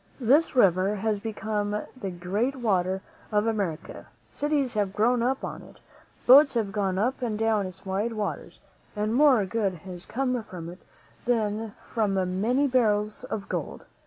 This river has become the great water way of America; cities have grown upon it, boats have gone up and down its wide waters, and more good has come from it than from many barrels of gold.